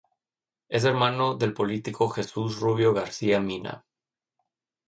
Es hermano del político Jesús Rubio García-Mina.